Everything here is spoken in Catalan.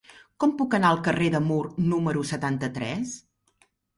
Com puc anar al carrer de Mur número setanta-tres?